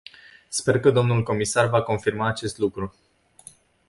Sper că domnul comisar va confirma acest lucru.